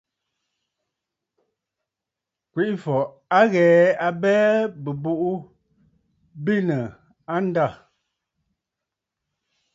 Kwèʼefɔ̀ à ghɛ̀ɛ a abɛɛ bɨ̀bùʼù benə̀ a ndâ.